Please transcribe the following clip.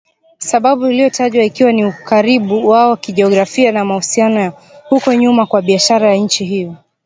sababu iliyotajwa ikiwa ya ukaribu wao kijografia na mahusiano ya huko nyuma ya kibiashara na nchi hiyo